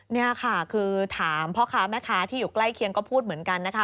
นี่ค่ะคือถามพ่อค้าแม่ค้าที่อยู่ใกล้เคียงก็พูดเหมือนกันนะคะ